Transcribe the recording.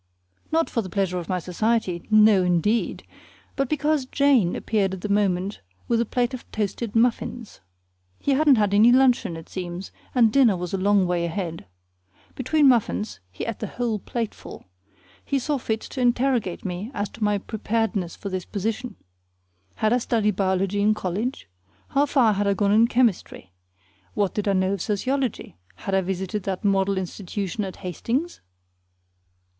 Not for the pleasure of my society, no, indeed, but because Jane appeared at the moment with a plate of toasted muffins. He hadn't had any luncheon, it seems, and dinner was a long way ahead. Between muffins (he ate the whole plateful) he saw fit to interrogate me as to my preparedness for this position. Had I studied biology in college? How far had I gone in chemistry? What did I know of sociology? Had I visited that model institution at Hastings?